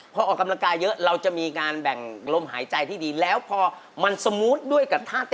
ขอขอบคุณพี่หอยมากครับพี่ฝนครับเป็นไงครับ